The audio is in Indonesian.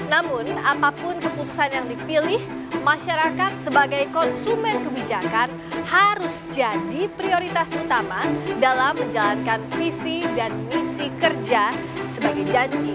namun apapun keputusan yang dipilih masyarakat sebagai konsumen kebijakan harus jadi prioritas utama dalam menjalankan visi dan misi kerja sebagai janji